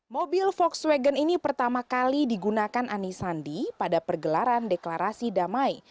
mobil volkswagen ini pertama kali digunakan anies sandi pada pergelaran deklarasi damai